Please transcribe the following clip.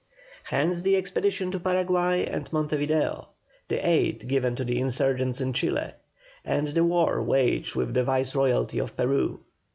Hence the expeditions to Paraguay and Monte Video, the aid given to the insurgents in Chile, and the war waged with the Viceroyalty of Peru.